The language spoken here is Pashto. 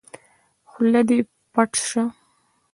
خوله دې پټّ شه!